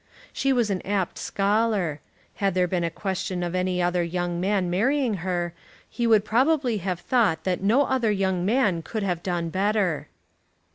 She was an apt scholar. Had there been a question of any other young man marrying her, he would probably have thought that no other young man could have done better.